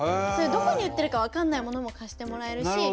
そういうどこに売ってるか分かんないものも貸してもらえるし。